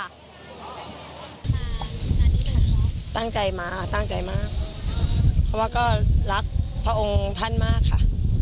อันนี้ค่ะตั้งใจมาตั้งใจมากเพราะว่าก็รักพระองค์ท่านมากค่ะ